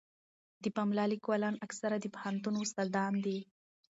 د پملا لیکوالان اکثره د پوهنتون استادان دي.